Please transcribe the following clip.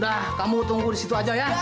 udah kamu tunggu di situ aja ya